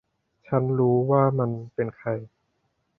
ฉันรู้แล้วว่ามันเป็นใคร